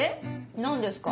何ですか。